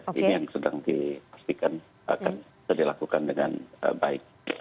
ini yang sedang dipastikan akan bisa dilakukan dengan baik